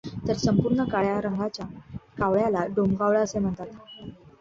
तर संपूर्ण काळ्या रंगाच्या कावळ्याला डोमकावळा असे म्हणतात.